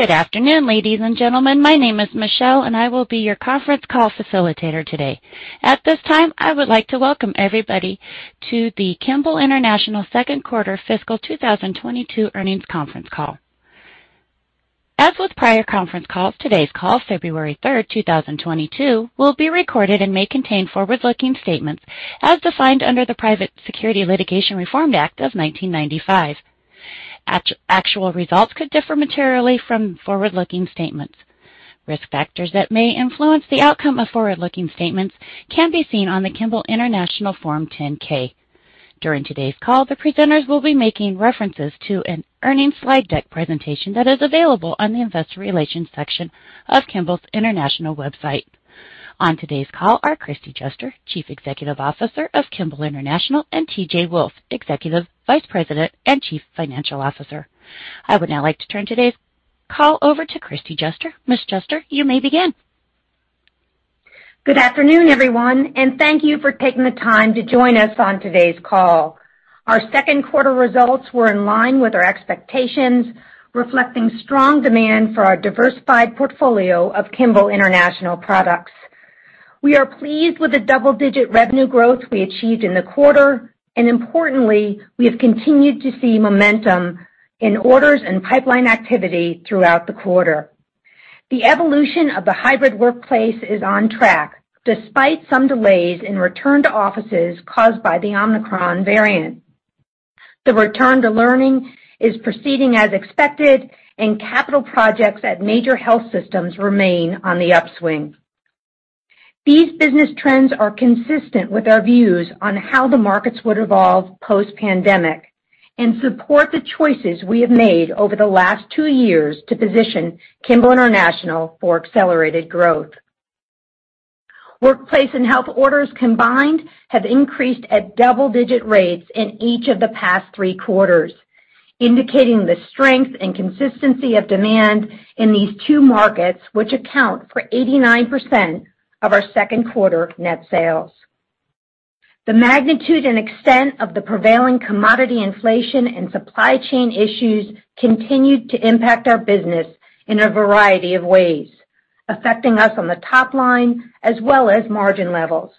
Good afternoon, ladies and gentlemen. My name is Michelle, and I will be your conference call facilitator today. At this time, I would like to welcome everybody to the Kimball International second quarter fiscal 2022 earnings conference call. As with prior conference calls, today's call, February 3, 2022, will be recorded and may contain forward-looking statements as defined under the Private Securities Litigation Reform Act of 1995. Actual results could differ materially from forward-looking statements. Risk factors that may influence the outcome of forward-looking statements can be seen on the Kimball International Form 10-K. During today's call, the presenters will be making references to an earnings slide deck presentation that is available on the investor relations section of Kimball International's website. On today's call are Kristie Juster, Chief Executive Officer of Kimball International, and T.J. Wolfe, Executive Vice President and Chief Financial Officer. I would now like to turn today's call over to Kristie Juster. Ms. Juster, you may begin. Good afternoon, everyone, and thank you for taking the time to join us on today's call. Our second quarter results were in line with our expectations, reflecting strong demand for our diversified portfolio of Kimball International products. We are pleased with the double-digit revenue growth we achieved in the quarter, and importantly, we have continued to see momentum in orders and pipeline activity throughout the quarter. The evolution of the hybrid workplace is on track, despite some delays in return to offices caused by the Omicron variant. The return to learning is proceeding as expected, and capital projects at major health systems remain on the upswing. These business trends are consistent with our views on how the markets would evolve post-pandemic and support the choices we have made over the last two years to position Kimball International for accelerated growth. Workplace and health orders combined have increased at double-digit rates in each of the past three quarters, indicating the strength and consistency of demand in these two markets, which account for 89% of our second quarter net sales. The magnitude and extent of the prevailing commodity inflation and supply chain issues continued to impact our business in a variety of ways, affecting us on the top line as well as margin levels.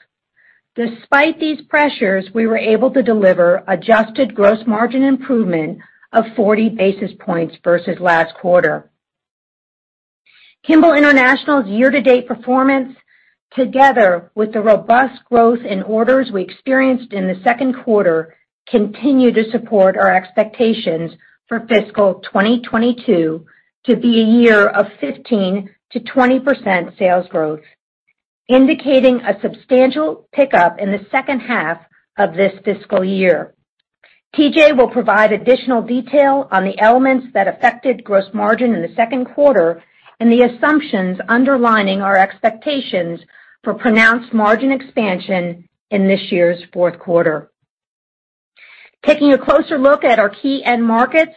Despite these pressures, we were able to deliver adjusted gross margin improvement of 40 basis points versus last quarter. Kimball International's year-to-date performance, together with the robust growth in orders we experienced in the second quarter, continue to support our expectations for fiscal 2022 to be a year of 15%-20% sales growth, indicating a substantial pickup in the second half of this fiscal year. T.J. will provide additional detail on the elements that affected gross margin in the second quarter and the assumptions underlying our expectations for pronounced margin expansion in this year's fourth quarter. Taking a closer look at our key end markets,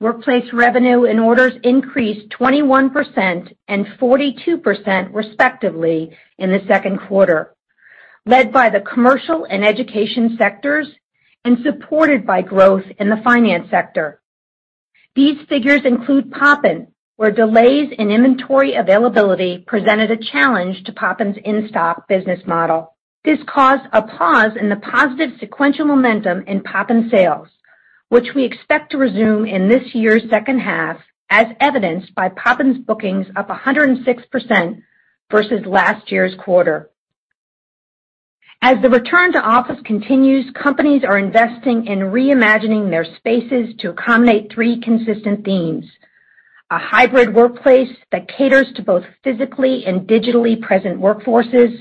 workplace revenue and orders increased 21% and 42% respectively in the second quarter, led by the commercial and education sectors and supported by growth in the finance sector. These figures include Poppin, where delays in inventory availability presented a challenge to Poppin's in-stock business model. This caused a pause in the positive sequential momentum in Poppin sales, which we expect to resume in this year's second half, as evidenced by Poppin's bookings up 106% versus last year's quarter. As the return to office continues, companies are investing in reimagining their spaces to accommodate three consistent themes, a hybrid workplace that caters to both physically and digitally present workforces,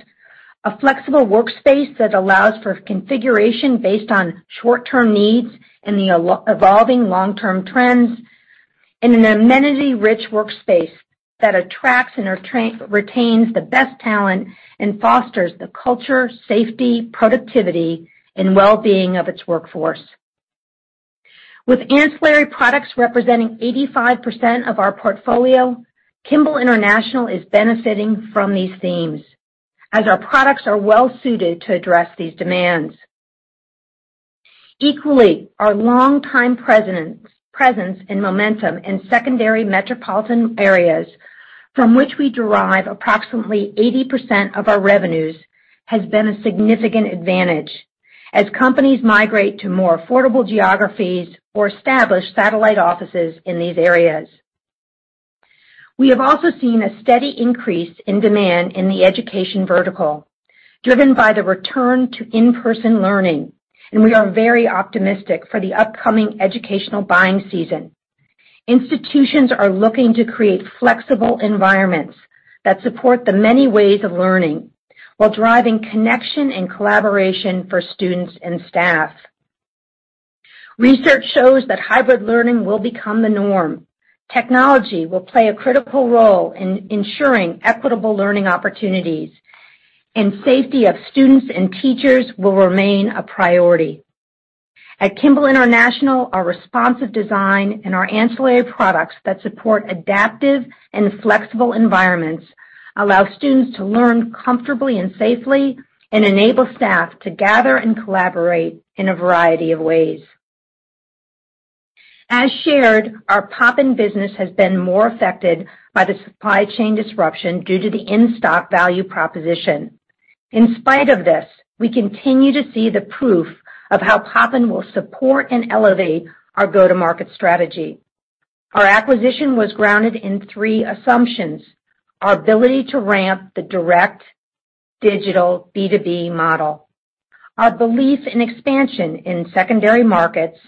a flexible workspace that allows for configuration based on short-term needs and the evolving long-term trends, and an amenity-rich workspace that attracts and retains the best talent and fosters the culture, safety, productivity, and well-being of its workforce. With ancillary products representing 85% of our portfolio, Kimball International is benefiting from these themes, as our products are well-suited to address these demands. Equally, our long-time presence and momentum in secondary metropolitan areas, from which we derive approximately 80% of our revenues, has been a significant advantage as companies migrate to more affordable geographies or establish satellite offices in these areas. We have also seen a steady increase in demand in the education vertical, driven by the return to in-person learning, and we are very optimistic for the upcoming educational buying season. Institutions are looking to create flexible environments that support the many ways of learning while driving connection and collaboration for students and staff. Research shows that hybrid learning will become the norm. Technology will play a critical role in ensuring equitable learning opportunities, and safety of students and teachers will remain a priority. At Kimball International, our responsive design and our ancillary products that support adaptive and flexible environments allow students to learn comfortably and safely, and enable staff to gather and collaborate in a variety of ways. As shared, our Poppin business has been more affected by the supply chain disruption due to the in-stock value proposition. In spite of this, we continue to see the proof of how Poppin will support and elevate our go-to-market strategy. Our acquisition was grounded in three assumptions: Our ability to ramp the direct digital B2B model, our belief in expansion in secondary markets,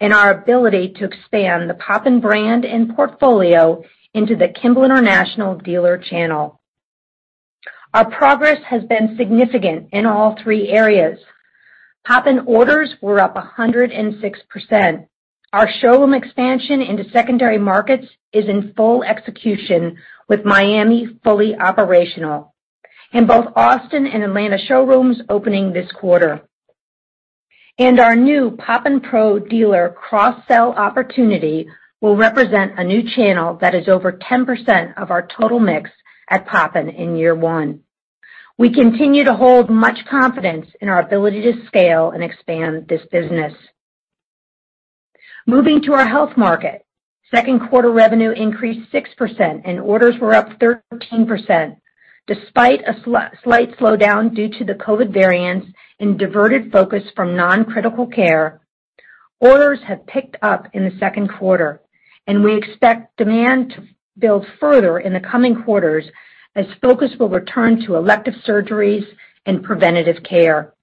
and our ability to expand the Poppin brand and portfolio into the Kimball International dealer channel. Our progress has been significant in all three areas. Poppin orders were up 106%. Our showroom expansion into secondary markets is in full execution, with Miami fully operational. Both Austin and Atlanta showrooms opening this quarter. Our new Poppin Pro dealer cross-sell opportunity will represent a new channel that is over 10% of our total mix at Poppin in year one. We continue to hold much confidence in our ability to scale and expand this business. Moving to our health market, second quarter revenue increased 6% and orders were up 13%. Despite a slight slowdown due to the COVID variants and diverted focus from non-critical care, orders have picked up in the second quarter, and we expect demand to build further in the coming quarters as focus will return to elective surgeries and preventive care.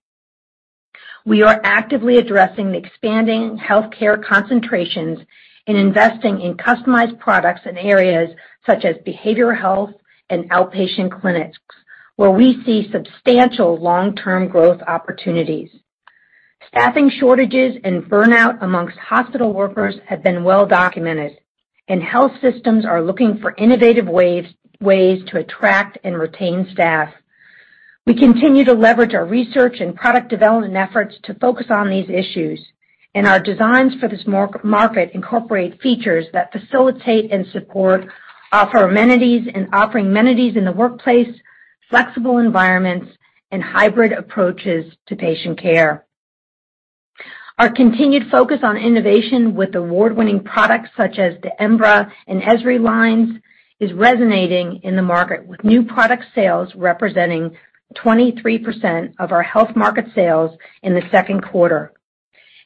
We are actively addressing the expanding healthcare concentrations and investing in customized products in areas such as behavioral health and outpatient clinics, where we see substantial long-term growth opportunities. Staffing shortages and burnout among hospital workers have been well documented, and health systems are looking for innovative ways to attract and retain staff. We continue to leverage our research and product development efforts to focus on these issues, and our designs for this health market incorporate features that facilitate and support offering amenities in the workplace, flexible environments, and hybrid approaches to patient care. Our continued focus on innovation with award-winning products such as the Embra and Esri lines is resonating in the market, with new product sales representing 23% of our health market sales in the second quarter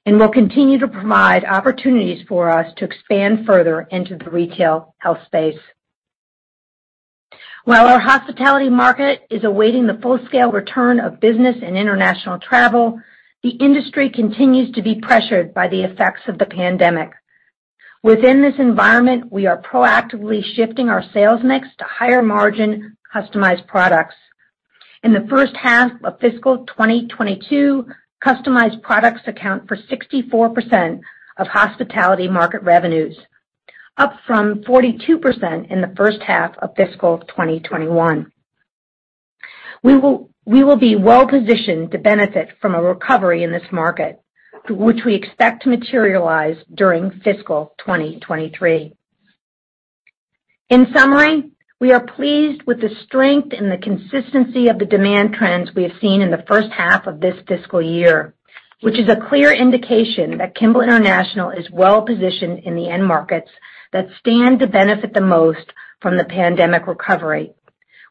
and will continue to provide opportunities for us to expand further into the retail health space. While our hospitality market is awaiting the full-scale return of business and international travel, the industry continues to be pressured by the effects of the pandemic. Within this environment, we are proactively shifting our sales mix to higher-margin customized products. In the first half of fiscal 2022, customized products account for 64% of hospitality market revenues, up from 42% in the first half of fiscal 2021. We will be well-positioned to benefit from a recovery in this market, which we expect to materialize during fiscal 2023. In summary, we are pleased with the strength and the consistency of the demand trends we have seen in the first half of this fiscal year, which is a clear indication that Kimball International is well-positioned in the end markets that stand to benefit the most from the pandemic recovery.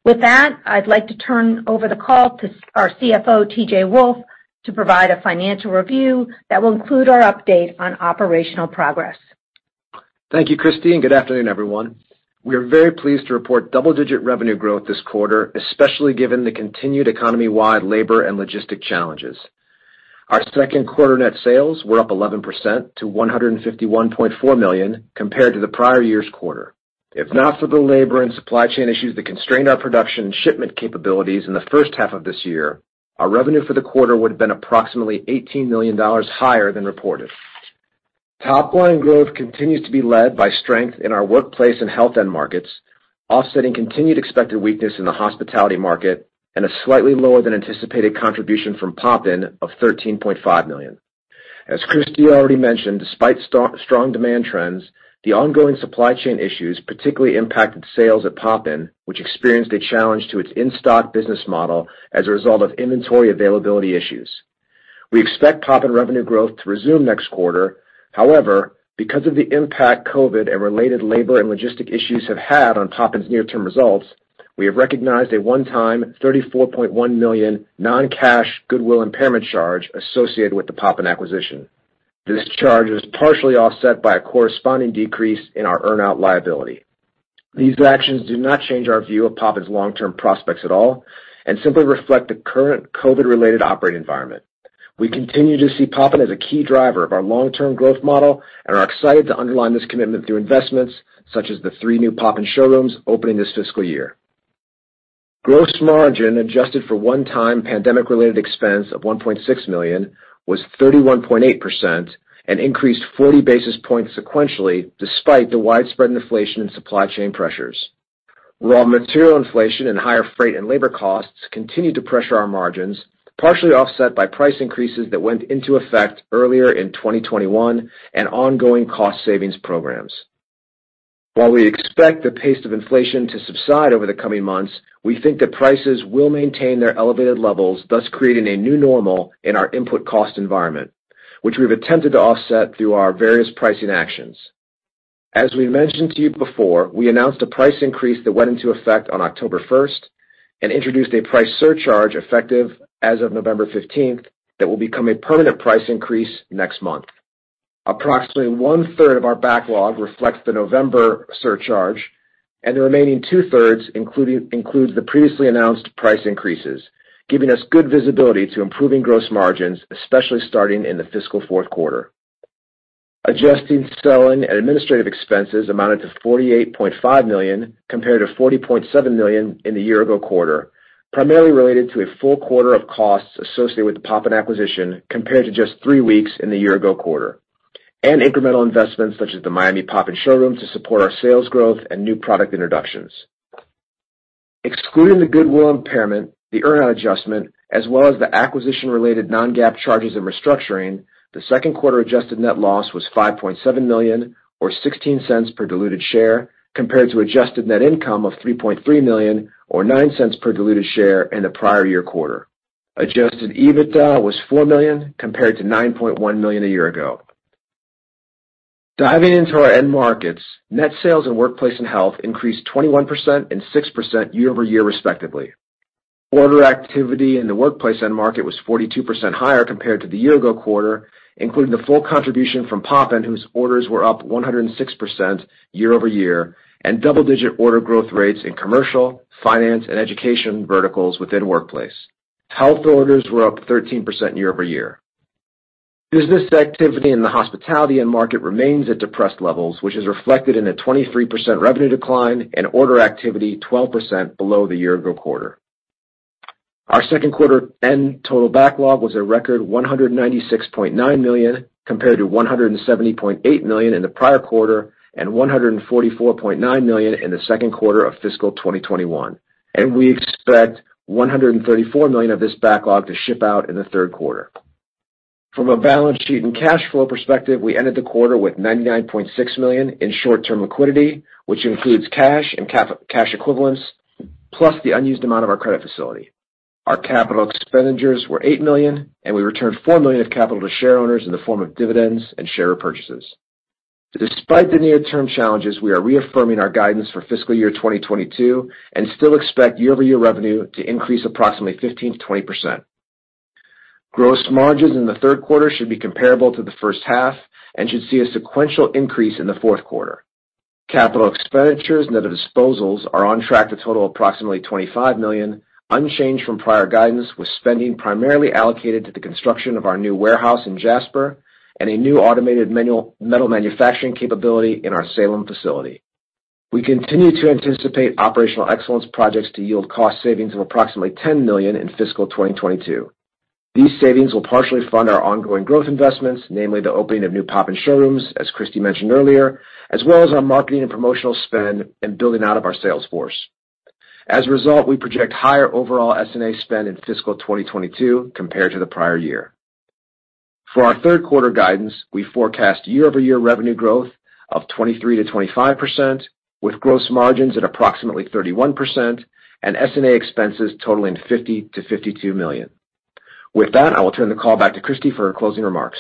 With that, I'd like to turn over the call to our CFO, T.J. Wolfe, to provide a financial review that will include our update on operational progress. Thank you, Kristie. Good afternoon, everyone. We are very pleased to report double-digit revenue growth this quarter, especially given the continued economy-wide labor and logistic challenges. Our second quarter net sales were up 11% to $151.4 million compared to the prior year's quarter. If not for the labor and supply chain issues that constrained our production and shipment capabilities in the first half of this year, our revenue for the quarter would have been approximately $18 million higher than reported. Topline growth continues to be led by strength in our workplace and health end markets, offsetting continued expected weakness in the hospitality market and a slightly lower than anticipated contribution from Poppin of $13.5 million. As Kristie already mentioned, despite strong demand trends, the ongoing supply chain issues particularly impacted sales at Poppin, which experienced a challenge to its in-stock business model as a result of inventory availability issues. We expect Poppin revenue growth to resume next quarter. However, because of the impact COVID and related labor and logistics issues have had on Poppin's near-term results, we have recognized a one-time $34.1 million non-cash goodwill impairment charge associated with the Poppin acquisition. This charge was partially offset by a corresponding decrease in our earn-out liability. These actions do not change our view of Poppin's long-term prospects at all and simply reflect the current COVID-related operating environment. We continue to see Poppin as a key driver of our long-term growth model and are excited to underline this commitment through investments such as the three new Poppin showrooms opening this fiscal year. Gross margin, adjusted for one-time pandemic-related expense of $1.6 million, was 31.8% and increased 40 basis points sequentially despite the widespread inflation and supply chain pressures. While material inflation and higher freight and labor costs continue to pressure our margins, partially offset by price increases that went into effect earlier in 2021 and ongoing cost savings programs. While we expect the pace of inflation to subside over the coming months, we think that prices will maintain their elevated levels, thus creating a new normal in our input cost environment, which we've attempted to offset through our various pricing actions. As we mentioned to you before, we announced a price increase that went into effect on October first and introduced a price surcharge effective as of November 15th that will become a permanent price increase next month. Approximately 1/3 of our backlog reflects the November surcharge, and the remaining 2/3 includes the previously announced price increases, giving us good visibility to improving gross margins, especially starting in the fiscal fourth quarter. Adjusted selling and administrative expenses amounted to $48.5 million compared to $40.7 million in the year ago quarter, primarily related to a full quarter of costs associated with the Poppin acquisition compared to just three weeks in the year ago quarter, and incremental investments such as the Miami Poppin showroom to support our sales growth and new product introductions. Excluding the goodwill impairment, the earn-out adjustment, as well as the acquisition-related non-GAAP charges and restructuring, the second quarter adjusted net loss was $5.7 million or $0.16 per diluted share, compared to adjusted net income of $3.3 million or $0.09 per diluted share in the prior year quarter. Adjusted EBITDA was $4 million compared to $9.1 million a year ago. Diving into our end markets, net sales in workplace and health increased 21% and 6% year-over-year, respectively. Order activity in the workplace end market was 42% higher compared to the year-ago quarter, including the full contribution from Poppin, whose orders were up 106% year-over-year, and double-digit order growth rates in commercial, finance, and education verticals within workplace. Health orders were up 13% year-over-year. Business activity in the hospitality end market remains at depressed levels, which is reflected in a 23% revenue decline and order activity 12% below the year ago quarter. Our second quarter end total backlog was a record $196.9 million, compared to $170.8 million in the prior quarter and $144.9 million in the second quarter of fiscal 2021, and we expect $134 million of this backlog to ship out in the third quarter. From a balance sheet and cash flow perspective, we ended the quarter with $99.6 million in short-term liquidity, which includes cash and cash equivalents, plus the unused amount of our credit facility. Our capital expenditures were $8 million, and we returned $4 million of capital to shareowners in the form of dividends and share purchases. Despite the near-term challenges, we are reaffirming our guidance for fiscal year 2022 and still expect year-over-year revenue to increase approximately 15%-20%. Gross margins in the third quarter should be comparable to the first half and should see a sequential increase in the fourth quarter. Capital expenditures net of disposals are on track to total approximately $25 million, unchanged from prior guidance, with spending primarily allocated to the construction of our new warehouse in Jasper and a new automated manual metal manufacturing capability in our Salem facility. We continue to anticipate operational excellence projects to yield cost savings of approximately $10 million in fiscal 2022. These savings will partially fund our ongoing growth investments, namely the opening of new Poppin showrooms, as Kristie mentioned earlier, as well as our marketing and promotional spend and building out of our sales force. As a result, we project higher overall S&A spend in fiscal 2022 compared to the prior year. For our third quarter guidance, we forecast year-over-year revenue growth of 23%-25%, with gross margins at approximately 31% and S&A expenses totaling $50 million-$52 million. With that, I will turn the call back to Kristie for her closing remarks.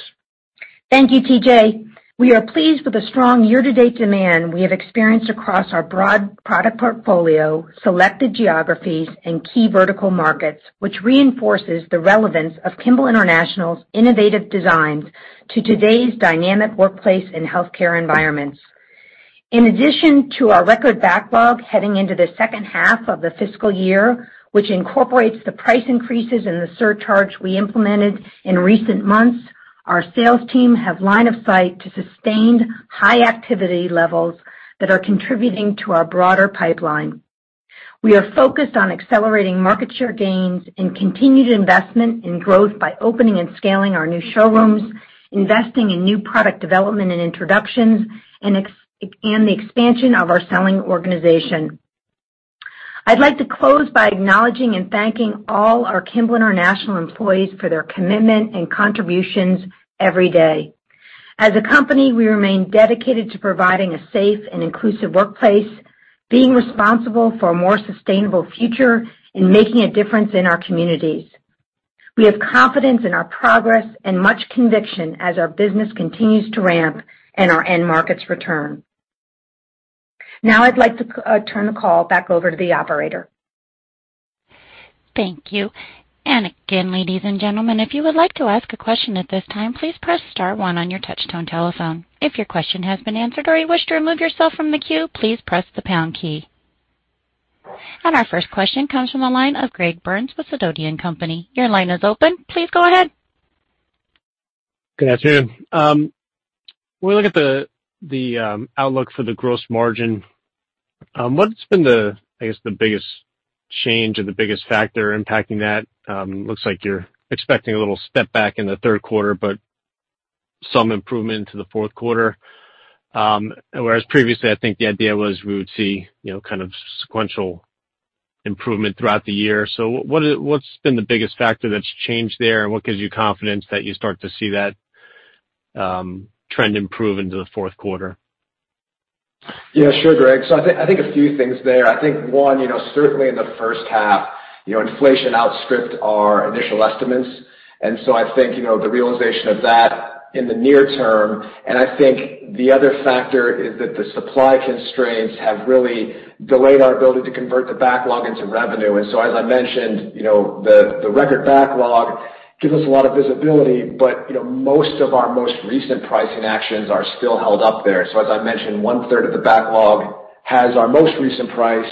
Thank you, T.J. We are pleased with the strong year-to-date demand we have experienced across our broad product portfolio, selected geographies, and key vertical markets, which reinforces the relevance of Kimball International's innovative designs to today's dynamic workplace and healthcare environments. In addition to our record backlog heading into the second half of the fiscal year, which incorporates the price increases and the surcharge we implemented in recent months, our sales team have line of sight to sustained high activity levels that are contributing to our broader pipeline. We are focused on accelerating market share gains and continued investment in growth by opening and scaling our new showrooms, investing in new product development and introductions, and the expansion of our selling organization. I'd like to close by acknowledging and thanking all our Kimball International employees for their commitment and contributions every day. As a company, we remain dedicated to providing a safe and inclusive workplace, being responsible for a more sustainable future, and making a difference in our communities. We have confidence in our progress and much conviction as our business continues to ramp and our end markets return. Now I'd like to turn the call back over to the operator. Thank you. Again, ladies and gentlemen, if you would like to ask a question at this time, please press star one on your touchtone telephone. If your question has been answered or you wish to remove yourself from the queue, please press the pound key. Our first question comes from the line of Greg Burns with Sidoti & Company. Your line is open. Please go ahead. Good afternoon. When we look at the outlook for the gross margin, what's been the, I guess, the biggest change or the biggest factor impacting that? It looks like you're expecting a little step back in the third quarter, but some improvement into the fourth quarter. Whereas previously I think the idea was we would see, you know, kind of sequential improvement throughout the year. What's been the biggest factor that's changed there? What gives you confidence that you start to see that trend improve into the fourth quarter? Yeah, sure, Greg. I think a few things there. I think one, you know, certainly in the first half, you know, inflation outstripped our initial estimates. I think, you know, the realization of that in the near term, and I think the other factor is that the supply constraints have really delayed our ability to convert the backlog into revenue. As I mentioned, you know, the record backlog gives us a lot of visibility, but, you know, most of our most recent pricing actions are still held up there. As I mentioned, one-third of the backlog has our most recent price,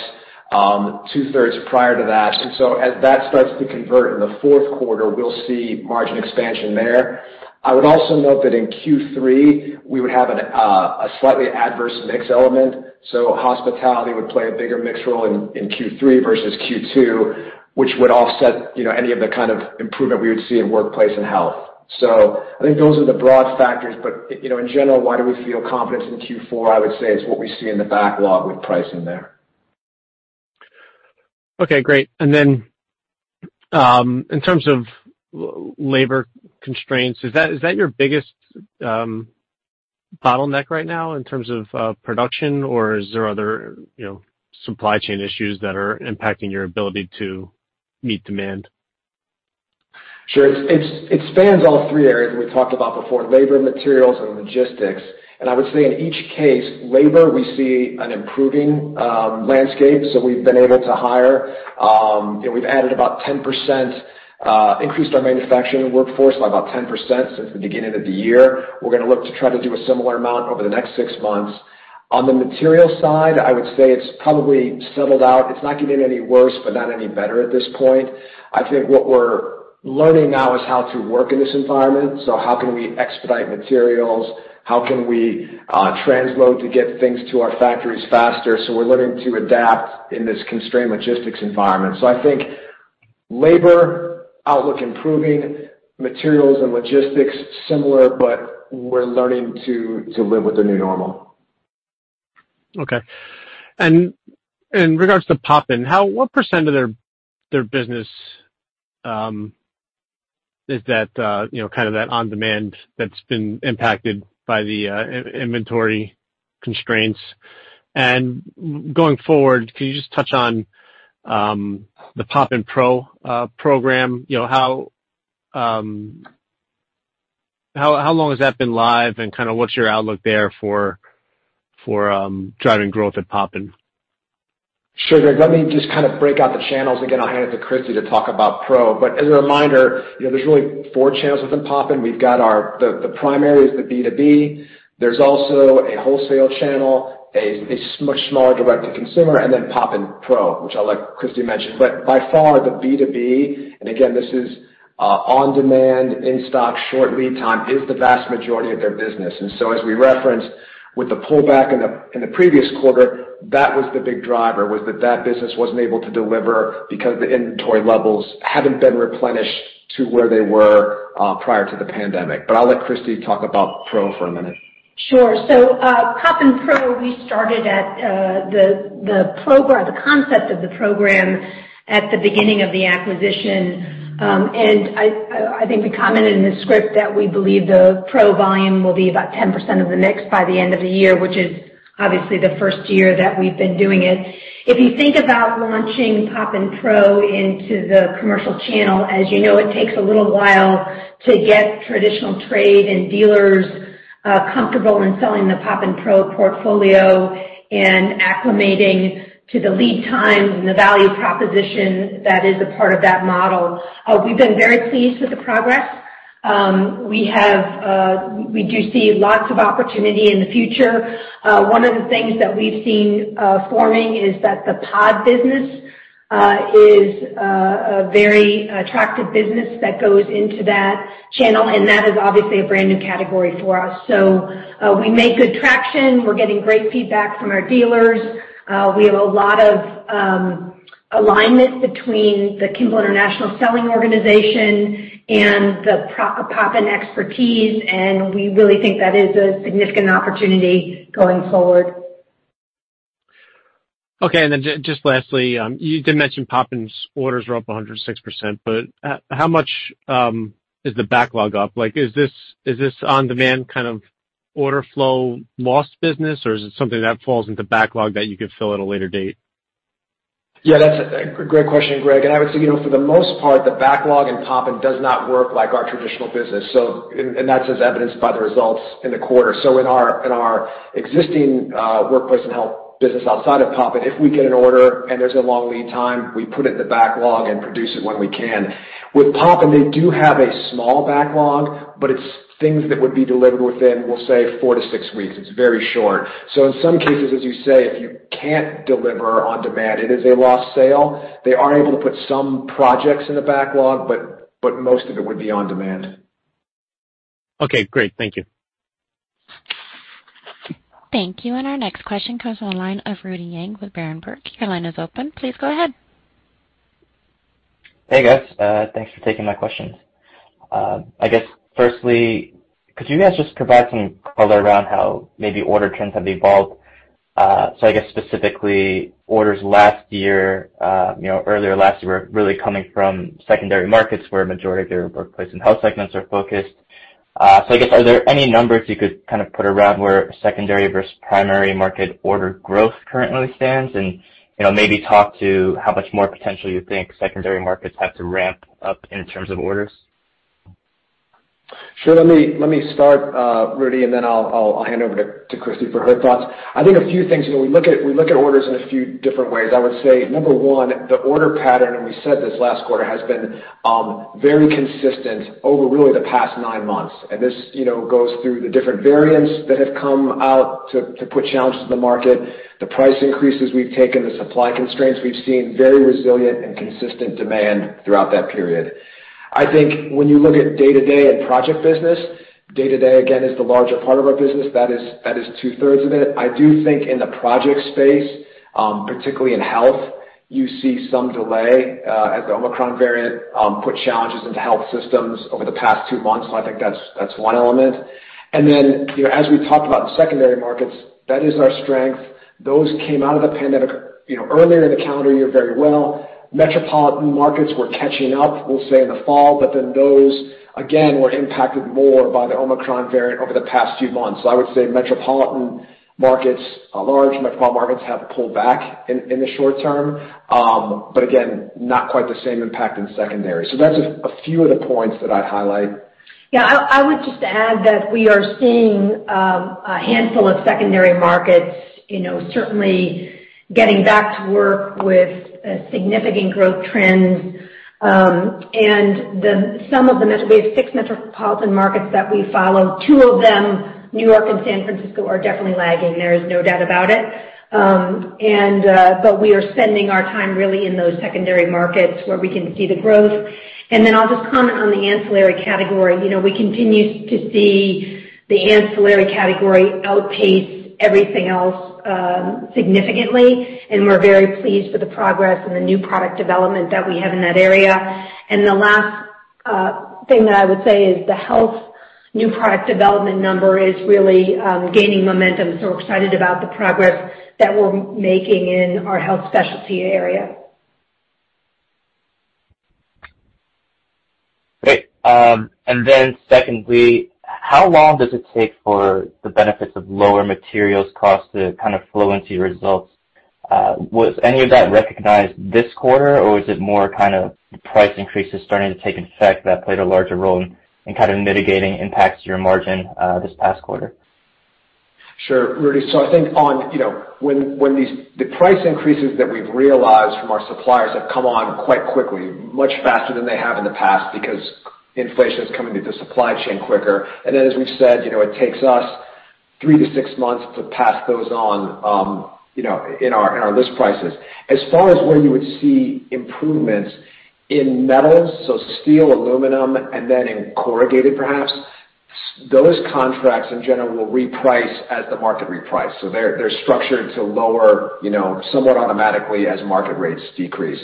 two-thirds prior to that. As that starts to convert in the fourth quarter, we'll see margin expansion there. I would also note that in Q3, we would have a slightly adverse mix element. Hospitality would play a bigger mix role in Q3 versus Q2, which would offset, you know, any of the kind of improvement we would see in workplace and health. I think those are the broad factors. You know, in general, why do we feel confidence in Q4? I would say it's what we see in the backlog with pricing there. Okay, great. In terms of labor constraints, is that your biggest bottleneck right now in terms of production or is there other, you know, supply chain issues that are impacting your ability to meet demand? Sure. It spans all three areas we talked about before, labor, materials and logistics. I would say in each case, labor we see an improving landscape. We've been able to hire, you know, we've added about 10%, increased our manufacturing workforce by about 10% since the beginning of the year. We're gonna look to try to do a similar amount over the next six months. On the material side, I would say it's probably settled out. It's not getting any worse, but not any better at this point. I think what we're learning now is how to work in this environment. How can we expedite materials? How can we transload to get things to our factories faster? We're learning to adapt in this constrained logistics environment. I think labor outlook improving, materials and logistics similar, but we're learning to live with the new normal. Okay. In regards to Poppin, what percent of their business is that on-demand that's been impacted by the inventory constraints? Going forward, can you just touch on the Poppin Pro program? How long has that been live and kinda what's your outlook there for driving growth at Poppin? Sure, Greg. Let me just kind of break out the channels, and again, I'll hand it to Kristie to talk about Pro. As a reminder, you know, there's really four channels within Poppin. The primary is the B2B. There's also a wholesale channel, a much smaller direct-to-consumer, and then Poppin Pro, which I'll let Kristie mention. By far the B2B, and again, this is on-demand, in-stock, short lead time, is the vast majority of their business. As we referenced with the pullback in the previous quarter, that was the big driver, that business wasn't able to deliver because the inventory levels haven't been replenished to where they were prior to the pandemic. I'll let Kristie talk about Pro for a minute. Sure. Poppin Pro, we started at the concept of the program at the beginning of the acquisition. I think we commented in the script that we believe the Pro volume will be about 10% of the mix by the end of the year, which is obviously the first year that we've been doing it. If you think about launching Poppin Pro into the commercial channel, as you know, it takes a little while to get traditional trade and dealers comfortable in selling the Poppin Pro portfolio and acclimating to the lead times and the value proposition that is a part of that model. We've been very pleased with the progress. We do see lots of opportunity in the future. One of the things that we've seen forming is that the pod business is a very attractive business that goes into that channel, and that is obviously a brand-new category for us. We made good traction. We're getting great feedback from our dealers. We have a lot of alignment between the Kimball International selling organization and the Poppin expertise, and we really think that is a significant opportunity going forward. Okay. Just lastly, you did mention Poppin's orders are up 106%, but how much is the backlog up? Like, is this on-demand kind of order flow lost business, or is it something that falls into backlog that you could fill at a later date? Yeah, that's a great question, Greg, and I would say, you know, for the most part, the backlog in Poppin does not work like our traditional business. That's as evidenced by the results in the quarter. In our existing workplace and health business outside of Poppin, if we get an order and there's a long lead time, we put it in the backlog and produce it when we can. With Poppin, they do have a small backlog, but it's things that would be delivered within, we'll say, four to six weeks. It's very short. In some cases, as you say, if you can't deliver on demand, it is a lost sale. They are able to put some projects in the backlog, but most of it would be on demand. Okay, great. Thank you. Thank you. Our next question comes on the line of Rudy Yang with Berenberg. Your line is open. Please go ahead. Hey, guys. Thanks for taking my questions. I guess firstly, could you guys just provide some color around how maybe order trends have evolved? I guess specifically orders last year, you know, earlier last year were really coming from secondary markets where a majority of their workplace and health segments are focused. I guess are there any numbers you could kind of put around where secondary versus primary market order growth currently stands? You know, maybe talk to how much more potential you think secondary markets have to ramp up in terms of orders. Sure. Let me start, Rudy, and then I'll hand over to Kristie for her thoughts. I think a few things, you know, we look at orders in a few different ways. I would say, number one, the order pattern, and we said this last quarter, has been very consistent over really the past nine months. This, you know, goes through the different variants that have come out to put challenges in the market, the price increases we've taken, the supply constraints we've seen, very resilient and consistent demand throughout that period. I think when you look at day-to-day and project business, day-to-day, again, is the larger part of our business. That is two-thirds of it. I do think in the project space, particularly in health, you see some delay, as the Omicron variant put challenges into health systems over the past two months. I think that's one element. Then, you know, as we talked about the secondary markets, that is our strength. Those came out of the pandemic, you know, earlier in the calendar year very well. Metropolitan markets were catching up, we'll say, in the fall, but then those again were impacted more by the Omicron variant over the past few months. I would say metropolitan markets, large metropolitan markets have pulled back in the short term. But again, not quite the same impact in secondary. That's a few of the points that I'd highlight. Yeah. I would just add that we are seeing a handful of secondary markets, you know, certainly getting back to work with significant growth trends. We have six metropolitan markets that we follow. Two of them, New York and San Francisco, are definitely lagging. There is no doubt about it. We are spending our time really in those secondary markets where we can see the growth. I'll just comment on the ancillary category. You know, we continue to see the ancillary category outpace everything else significantly, and we're very pleased with the progress and the new product development that we have in that area. The last thing that I would say is the health new product development number is really gaining momentum, so we're excited about the progress that we're making in our health specialty area. Great. Secondly, how long does it take for the benefits of lower materials cost to kind of flow into your results? Was any of that recognized this quarter, or was it more kind of price increases starting to take effect that played a larger role in mitigating impacts to your margin, this past quarter? Sure, Rudy. I think on, you know, when the price increases that we've realized from our suppliers have come on quite quickly, much faster than they have in the past because inflation is coming through the supply chain quicker. As we've said, you know, it takes us three to six months to pass those on, you know, in our list prices. As far as where you would see improvements in metals, so steel, aluminum, and then in corrugated perhaps, those contracts in general will reprice as the market reprices. They're structured to lower, you know, somewhat automatically as market rates decrease.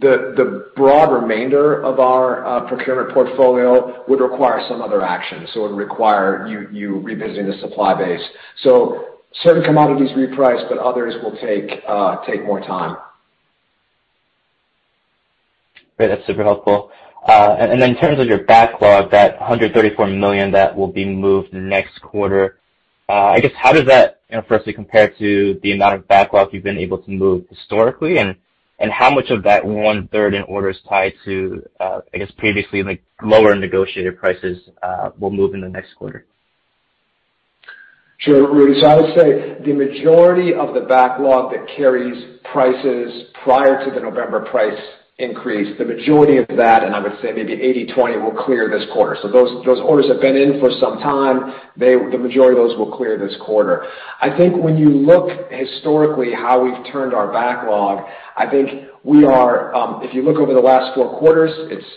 The broad remainder of our procurement portfolio would require some other action. It would require revisiting the supply base. Certain commodities reprice, but others will take more time. Great. That's super helpful. And then in terms of your backlog, that $134 million that will be moved next quarter, I guess how does that, you know, firstly compare to the amount of backlog you've been able to move historically? How much of that 1/3 in orders tied to, I guess previously like lower negotiated prices, will move in the next quarter? Sure, Rudy. I would say the majority of the backlog that carries prices prior to the November price increase, the majority of that, and I would say maybe 80-20, will clear this quarter. Those orders have been in for some time. The majority of those will clear this quarter. I think when you look historically how we've turned our backlog, I think we are, if you look over the last four quarters,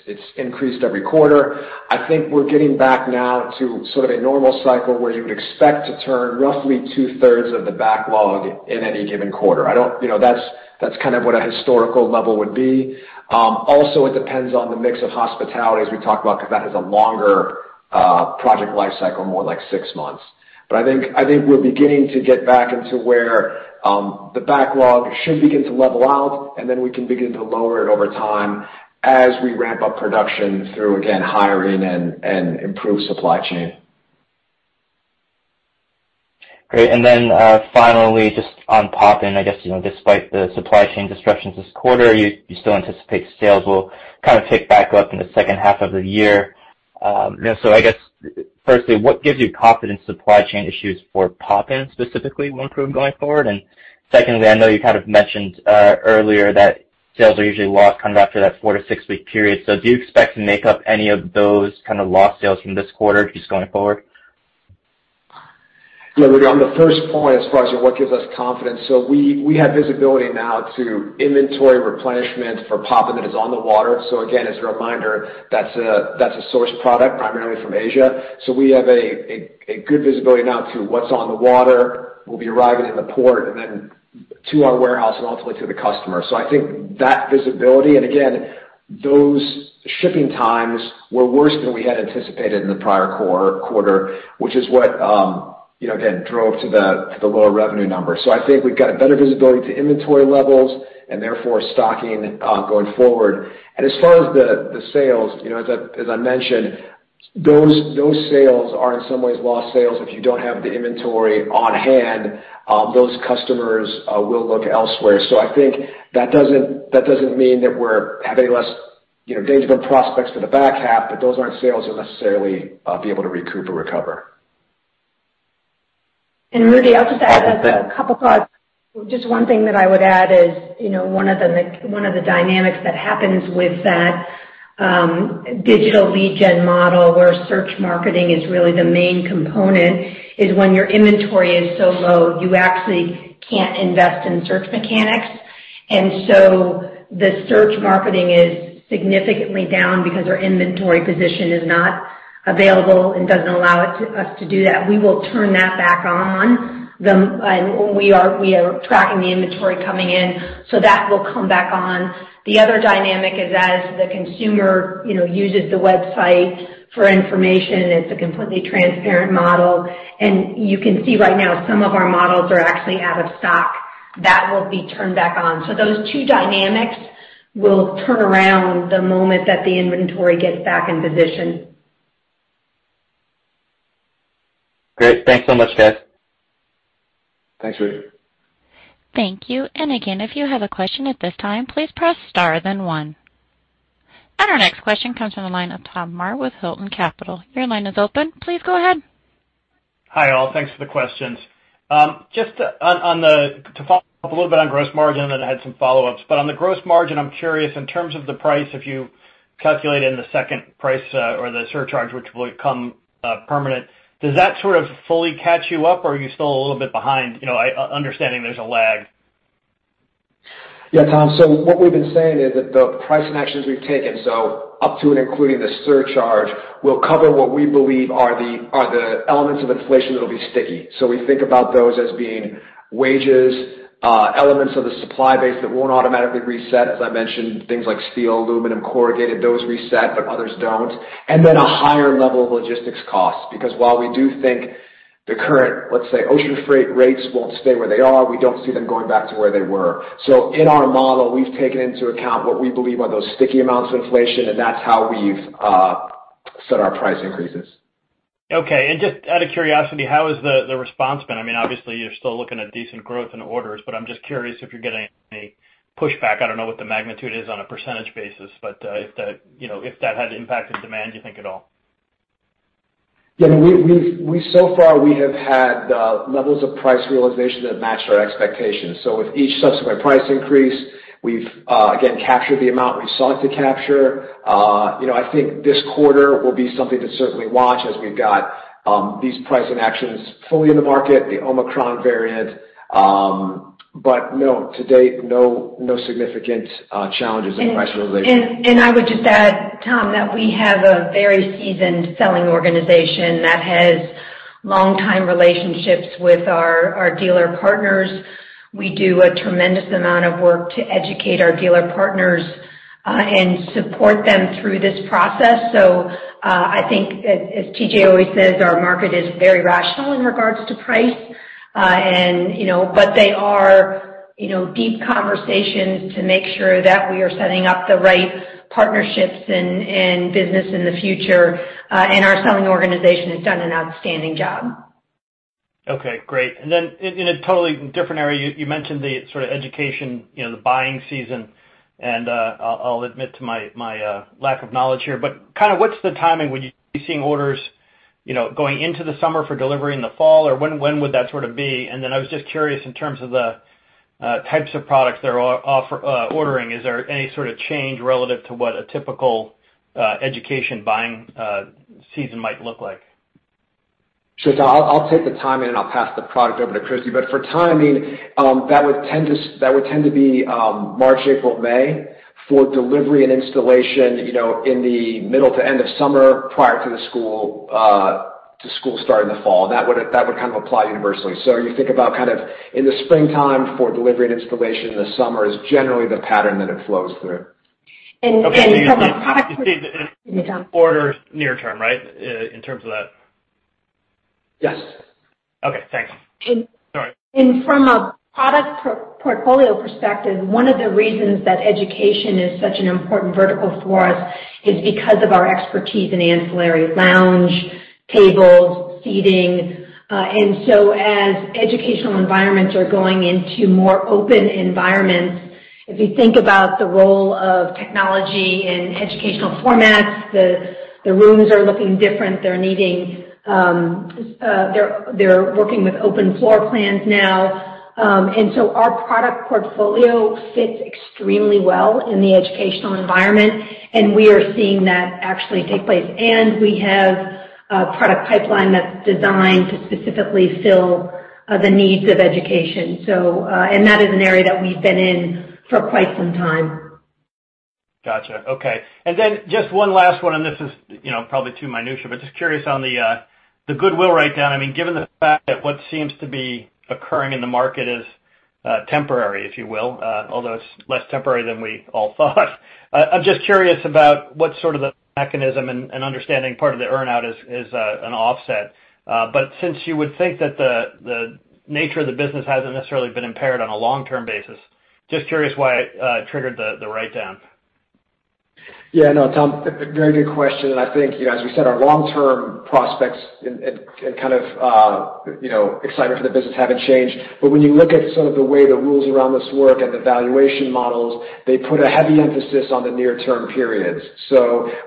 it's increased every quarter. I think we're getting back now to sort of a normal cycle where you would expect to turn roughly 2/3 of the backlog in any given quarter. You know, that's kind of what a historical level would be. Also, it depends on the mix of hospitality as we talk about, because that has a longer project life cycle, more like six months. I think we're beginning to get back into where the backlog should begin to level out, and then we can begin to lower it over time as we ramp up production through, again, hiring and improved supply chain. Great. Finally, just on Poppin, I guess, you know, despite the supply chain disruptions this quarter, you still anticipate sales will kind of tick back up in the second half of the year. You know, I guess firstly, what gives you confidence supply chain issues for Poppin specifically going through and going forward? Secondly, I know you kind of mentioned earlier that sales are usually lost kind of after that four- to six-week period. Do you expect to make up any of those kind of lost sales from this quarter just going forward? Yeah, Rudy, on the first point, as far as what gives us confidence, we have visibility now to inventory replenishment for Poppin that is on the water. Again, as a reminder, that's a sourced product primarily from Asia. We have a good visibility now to what's on the water, will be arriving in the port, and then to our warehouse and ultimately to the customer. I think that visibility, and again, those shipping times were worse than we had anticipated in the prior quarter, which is what, you know, again, drove to the lower revenue numbers. I think we've got a better visibility to inventory levels and therefore stocking going forward. As far as the sales, you know, as I mentioned, those sales are in some ways lost sales. If you don't have the inventory on hand, those customers will look elsewhere. I think that doesn't mean that we're having less, you know, days of prospects for the back half, but those aren't sales we'll necessarily be able to recoup or recover. Rudy, I'll just add a couple thoughts. Just one thing that I would add is, you know, one of the dynamics that happens with that, digital lead gen model where search marketing is really the main component is when your inventory is so low, you actually can't invest in search marketing. The search marketing is significantly down because our inventory position is not available and doesn't allow us to do that. We will turn that back on, and we are tracking the inventory coming in, so that will come back on. The other dynamic is as the consumer, you know, uses the website for information, it's a completely transparent model. You can see right now some of our models are actually out of stock. That will be turned back on. Those two dynamics will turn around the moment that the inventory gets back in position. Great. Thanks so much, guys. Thanks, Rudy. Thank you. Again, if you have a question at this time, please press star then one. Our next question comes from the line of Tom Maher with Hilton Capital. Your line is open. Please go ahead. Hi, all. Thanks for the questions. Just on the gross margin to follow up a little bit on gross margin, then I had some follow-ups. On the gross margin, I'm curious in terms of the price, if you calculate in the second price, or the surcharge, which will become permanent, does that sort of fully catch you up, or are you still a little bit behind? You know, understanding there's a lag. Yeah, Tom. What we've been saying is that the pricing actions we've taken, so up to and including the surcharge, will cover what we believe are the elements of inflation that will be sticky. We think about those as being wages, elements of the supply base that won't automatically reset, as I mentioned, things like steel, aluminum, corrugated, those reset, but others don't. Then a higher level of logistics costs because while we do think the current, let's say, ocean freight rates won't stay where they are, we don't see them going back to where they were. In our model, we've taken into account what we believe are those sticky amounts of inflation, and that's how we've set our price increases. Okay. Just out of curiosity, how has the response been? I mean, obviously you're still looking at decent growth in orders, but I'm just curious if you're getting any pushback. I don't know what the magnitude is on a percentage basis, but if the, you know, if that had impacted demand, you think at all? Yeah. We so far have had levels of price realization that matched our expectations. With each subsequent price increase, we've again captured the amount we sought to capture. You know, I think this quarter will be something to certainly watch as we've got these pricing actions fully in the market, the Omicron variant. To date, no significant challenges in price realization. I would just add, Tom, that we have a very seasoned selling organization that has long time relationships with our dealer partners. We do a tremendous amount of work to educate our dealer partners and support them through this process. I think as TJ always says, our market is very rational in regards to price. You know, but they are you know deep conversations to make sure that we are setting up the right partnerships and business in the future, and our selling organization has done an outstanding job. Okay. Great. In a totally different area, you mentioned the sort of education, you know, the buying season, and I'll admit to my lack of knowledge here, but kind of what's the timing? Would you be seeing orders, you know, going into the summer for delivery in the fall, or when would that sort of be? I was just curious in terms of the types of products that are ordering. Is there any sort of change relative to what a typical education buying season might look like? Sure. I'll take the timing and I'll pass the product over to Kristie. For timing, that would tend to be March, April, May for delivery and installation, you know, in the middle to end of summer prior to the school to school starting the fall. That would kind of apply universally. You think about kind of in the springtime for delivery and installation in the summer is generally the pattern that it flows through. From a product. Okay. You see the orders near term, right? In terms of that. Yes. Okay. Thanks. Sorry. From a product portfolio perspective, one of the reasons that education is such an important vertical for us is because of our expertise in ancillary lounge tables, seating. As educational environments are going into more open environments, if you think about the role of technology in educational formats, the rooms are looking different. They're working with open floor plans now. Our product portfolio fits extremely well in the educational environment, and we are seeing that actually take place. We have a product pipeline that's designed to specifically fill the needs of education. That is an area that we've been in for quite some time. Gotcha. Okay. Then just one last one, and this is, you know, probably too minutiae, but just curious on the goodwill write-down. I mean, given the fact that what seems to be occurring in the market is temporary, if you will, although it's less temporary than we all thought. I'm just curious about what sort of the mechanism and understanding part of the earn-out is an offset. Since you would think that the nature of the business hasn't necessarily been impaired on a long-term basis, just curious why it triggered the write-down. Yeah, no, Tom, very good question, and I think, you know, as we said, our long-term prospects and kind of, you know, excitement for the business haven't changed. When you look at some of the way the rules around this work and the valuation models, they put a heavy emphasis on the near-term periods.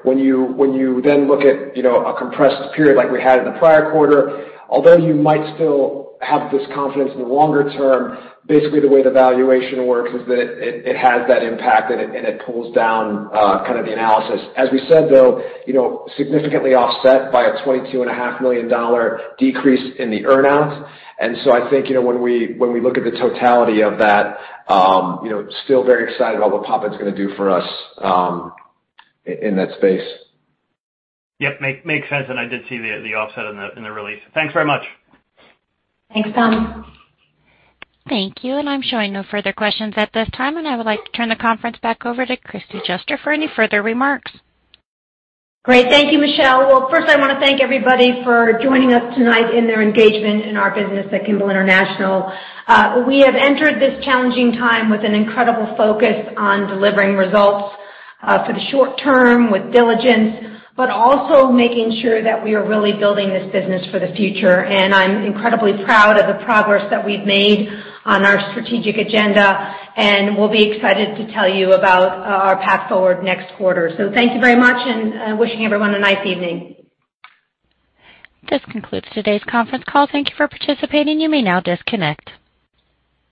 When you then look at, you know, a compressed period like we had in the prior quarter, although you might still have this confidence in the longer term, basically the way the valuation works is that it has that impact and it pulls down kind of the analysis. As we said, though, you know, significantly offset by a $22.5 million decrease in the earn-out. I think, you know, when we look at the totality of that, you know, still very excited about what Poppin's gonna do for us, in that space. Yep, makes sense, and I did see the offset in the release. Thanks very much. Thanks, Tom. Thank you, and I'm showing no further questions at this time, and I would like to turn the conference back over to Kristie Juster for any further remarks. Great. Thank you, Michelle. Well, first I wanna thank everybody for joining us tonight in their engagement in our business at Kimball International. We have entered this challenging time with an incredible focus on delivering results for the short term with diligence, but also making sure that we are really building this business for the future. I'm incredibly proud of the progress that we've made on our strategic agenda, and we'll be excited to tell you about our path forward next quarter. Thank you very much, and wishing everyone a nice evening. This concludes today's conference call. Thank you for participating. You may now disconnect.